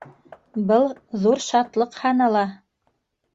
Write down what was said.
Был ҙур шатлыҡ һанала.